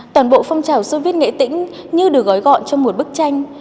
toàn bộ phong trào sô viết nghệ tĩnh như được gói gọn trong một bức tranh